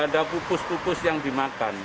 ada pupus pupus yang dimakan